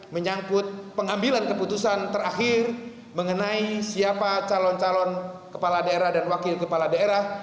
menyangkut pengambilan keputusan terakhir mengenai siapa calon calon kepala daerah dan wakil kepala daerah